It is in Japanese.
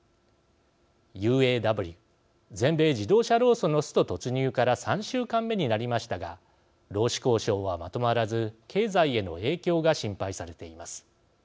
ＵＡＷ＝全米自動車労組のスト突入から３週間目になりましたが労使交渉はまとまらず経済への影響が心配されています。